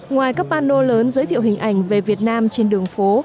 ngoài các bàn nô lớn giới thiệu hình ảnh về việt nam trên đường phố